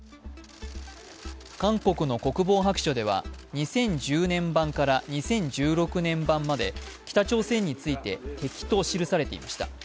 韓国の国防白書では２０１０年版から２０１６年版まで北朝鮮について敵と記されていました。